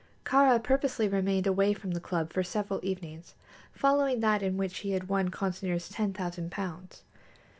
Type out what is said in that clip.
Kāra purposely remained away from the club for several evenings following that in which he had won Consinor's ten thousand pounds.